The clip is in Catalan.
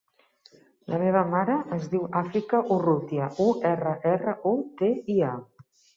La meva mare es diu Àfrica Urrutia: u, erra, erra, u, te, i, a.